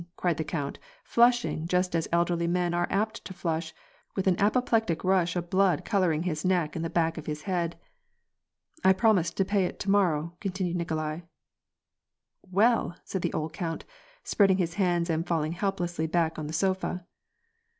cried the count, flushing, just as elderly men are apt to flush, with an apoplec tic rush of blood coloring his neck and the back of his head. " I promised to pay it to morrow," continued Nikolai. " Well !" said the old count, spreading his hands and falling helplessly back upon the sofa..